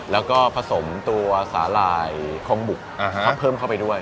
แล้วก็ผสมตัวสาหร่ายคมบุกเพิ่มเข้าไปด้วย